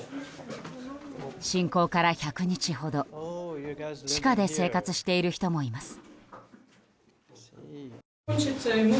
侵攻から１００日ほど地下で生活している人もいます。